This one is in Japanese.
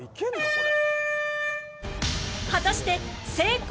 これ。